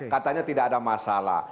katanya tidak ada masalah